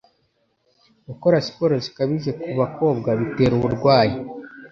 Gukora siporo zikabije ku bakobwa bitera uburwayi